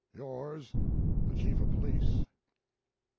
Yours, THE CHIEF OF POLICE.